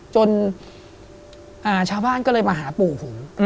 จนชาวบ้านก็เลยมาหาปู่ผม